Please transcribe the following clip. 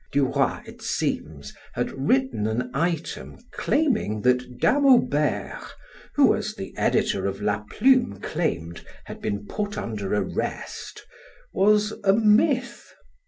Duroy, it seems, had written an item claiming that Dame Aubert who, as the editor of "La Plume," claimed, had been put under arrest, was a myth.